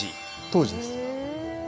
当時です。